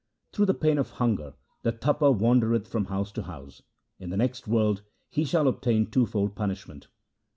Through the pain of hunger the Tapa wandereth from house to house ; in the next world he shall obtain twofold punishment.